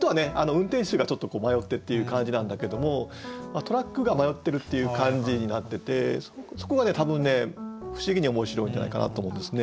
運転手がちょっと迷ってっていう感じなんだけどもトラックが迷ってるっていう感じになっててそこが多分不思議に面白いんじゃないかなと思うんですね。